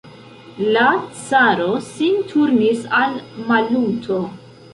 La caro sin turnis al Maluto.